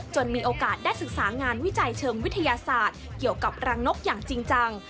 มีโอกาสได้ศึกษางานวิจัยเชิงวิทยาศาสตร์เกี่ยวกับรังนกอย่างจริงจัง